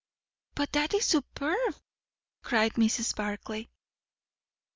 "But that is superb!" cried Mrs. Barclay.